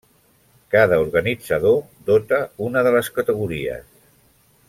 Cada organitzador dota una de les categories.